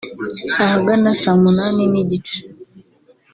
Ahagana saa munani n’igice